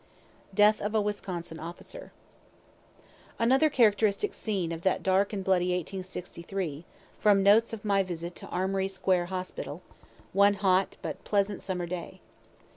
DEATH OF A WISCONSIN OFFICER Another characteristic scene of that dark and bloody 1863, from notes of my visit to Armory square hospital, one hot but pleasant summer day.